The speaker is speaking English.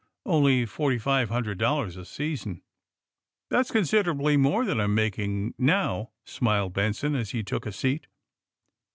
Only forty five hundred dol lars a season." '* That's considerably more than I'm making now," smiled Benson, as he took a seat.